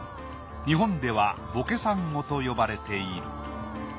日本ではボケサンゴと呼ばれている。